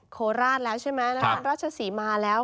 โคราชแล้วใช่ไหมนครราชศรีมาแล้ว